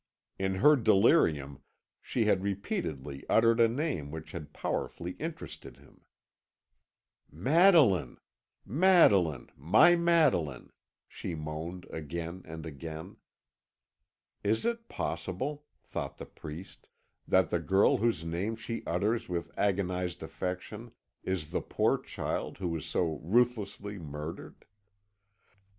In her delirium she had repeatedly uttered a name which had powerfully interested him. "Madeline! Madeline! my Madeline," she moaned again and again. "Is it possible," thought the priest, "that the girl whose name she utters with agonised affection is the poor child who was so ruthlessly murdered?"